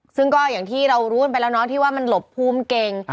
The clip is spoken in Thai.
ซึ่งก็อย่างที่เรารู้กันไปแล้วเนาะที่ว่ามันหลบภูมิเก่ง